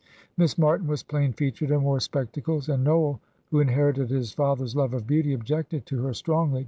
Miss Martin was plain featured, and wore spectacles, and Noel, who inherited his father's love of beauty, objected to her strongly.